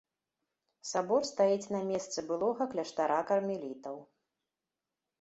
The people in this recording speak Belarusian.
Сабор стаіць на месцы былога кляштара кармелітаў.